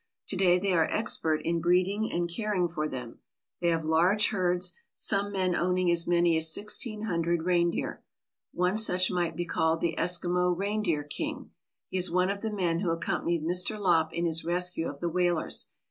To day they are expert in breeding and caring for them. They have large herds, some men owning as many as sixteen hundred reindeer. One such might be called the Eskimo reindeer king. He is one of the men who accompanied Mr. Lopp in his rescue of the whalers.